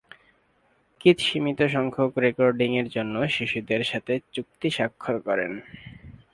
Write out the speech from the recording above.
Keith সীমিত সংখ্যক রেকর্ডিংয়ের জন্য শিশুদের সাথে চুক্তি স্বাক্ষর করেন।